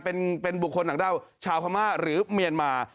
เป็นบุคคลต่างด้าวชาวพม่าหรือเมียนมา